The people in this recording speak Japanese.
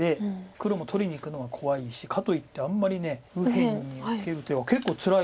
黒も取りにいくのは怖いしかといってあんまり右辺に受ける手は結構つらい。